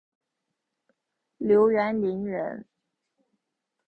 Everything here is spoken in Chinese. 刘元霖人。